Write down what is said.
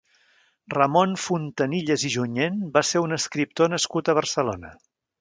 Ramon Fontanilles i Junyent va ser un escriptor nascut a Barcelona.